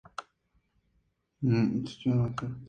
Logrando un título en su historia.